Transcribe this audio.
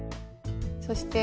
そして。